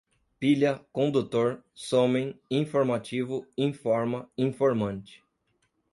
pilha, condutor, somem, informativo, informa, informante